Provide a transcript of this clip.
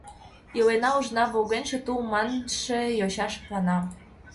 Илена, ужына, — «волгенче тул» манше йоча шыплана.